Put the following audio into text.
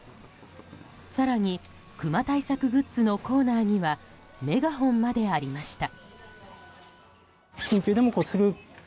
更にクマ対策グッズのコーナーにはメガホンまでありました。